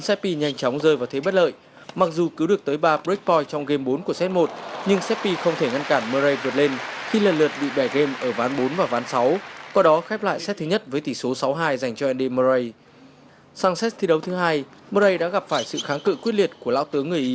xin chào và hẹn gặp lại trong các video tiếp theo